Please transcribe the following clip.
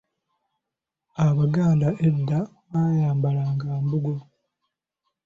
Abaganda edda baayambalanga mbugo.